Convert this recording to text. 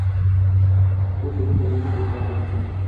U tugunni uyning oʻrtasiga tashladi.